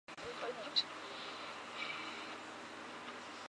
致使精神上受到极大的打击。